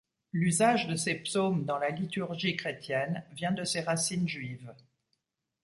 L'usage de ces psaumes dans la liturgie chrétienne vient de ses racines juives.